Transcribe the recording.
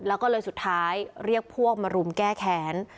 แล้วก็เลยสุดท้ายเรียกพวกมารุมแก้แค้น